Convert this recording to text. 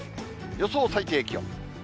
予想最低気温。